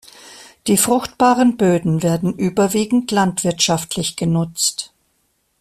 Die fruchtbaren Böden werden überwiegend landwirtschaftlich genutzt.